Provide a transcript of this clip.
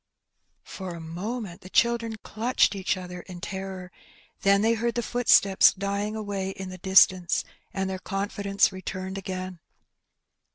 ^^ For a moment, the children clutched each other in terror; then they heard the footsteps dying away in the distance, and their confidence returned again.